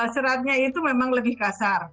seratnya itu memang lebih kasar